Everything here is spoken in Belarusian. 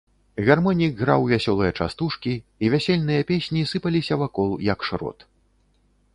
Гармонік граў вясёлыя частушкі, і вясельныя песні сыпаліся вакол, як шрот.